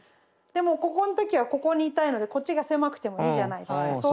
でもここの時はここにいたいのでこっちが狭くてもいいじゃないですか。